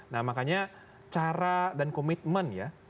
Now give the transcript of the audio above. nah makanya cara dan komitmen ya